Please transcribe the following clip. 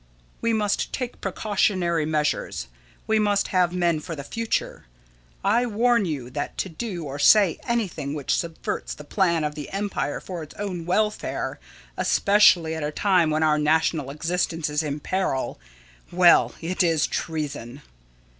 We must take precautionary measures. We must have men for the future. I warn you, that to do or say anything which subverts the plan of the empire for its own welfare, especially at a time when our national existence is in peril well, it is treason.